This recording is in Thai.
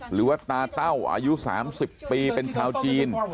หรือว่าตาเต้าอายุ๓๐ปีเป็นชาวจีน